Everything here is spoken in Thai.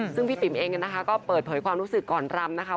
ซึ่งพี่ปิ๋มเองนะคะก็เปิดเผยความรู้สึกก่อนรำนะคะ